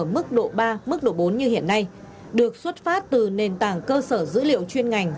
mức độ bốn như hiện nay được xuất phát từ nền tảng cơ sở dữ liệu chuyên ngành